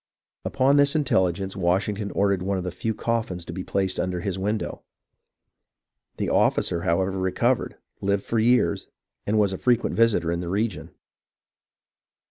Upon this intelligence Washington ordered one of the few coffins to be placed under his window. The officer, however, recovered, lived for years, and was a frequent visitor in the region."